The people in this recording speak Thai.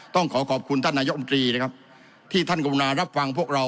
ต้องขอขอบคุณท่านนายกรรมตรีนะครับที่ท่านกรุณารับฟังพวกเรา